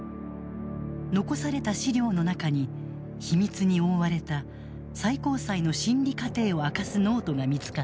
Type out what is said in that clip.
残された資料の中に秘密に覆われた最高裁の審理過程を明かすノートが見つかった。